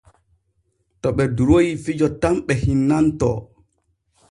To ɓe duroy fijo tan ɓe hinnantoo.